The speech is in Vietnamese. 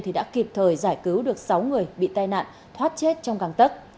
thì đã kịp thời giải cứu được sáu người bị tai nạn thoát chết trong căn cứ